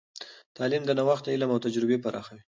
تعلیم د نوښت علم او تجربې پراخوي.